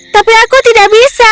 tapi aku tidak bisa